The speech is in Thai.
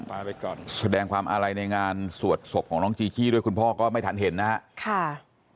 ก็มีแต่คลิปที่มีการเผยแพร่กันแล้วก็เห็นส่วนงานชาปนักกิจวันนี้เนี่ยทางฝั่งครอบครัวของอีกคิวไม่ได้มา